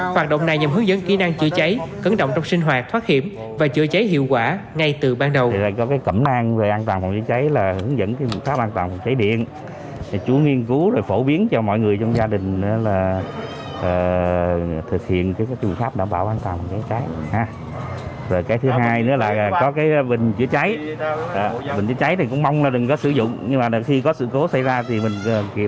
hoạt động này nhằm hướng dẫn kỹ năng chữa cháy cấn động trong sinh hoạt thoát hiểm và chữa cháy hiệu quả ngay từ ban đầu